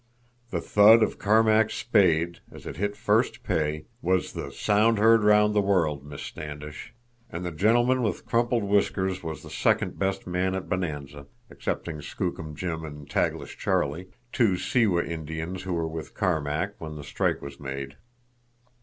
The thud of Carmack's spade, as it hit first pay, was the 'sound heard round the world,' Miss Standish. And the gentleman with crumpled whiskers was the second best man at Bonanza, excepting Skookum Jim and Taglish Charlie, two Siwah Indians who were with Carmack when the strike was made.